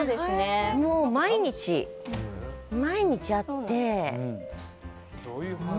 もう毎日会って。